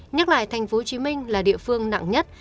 nhắc lại tp hcm là địa phương nặng nhất